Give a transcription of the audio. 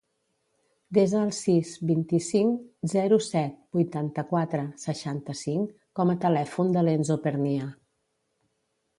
Desa el sis, vint-i-cinc, zero, set, vuitanta-quatre, seixanta-cinc com a telèfon de l'Enzo Pernia.